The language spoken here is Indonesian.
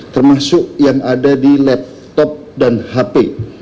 termasuk yang ada di laptop dan hp